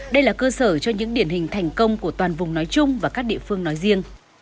đây là cơ sở cho những điển hình thành công của toàn vùng nói chung và các địa phương nói riêng